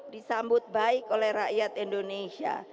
disambut baik oleh rakyat indonesia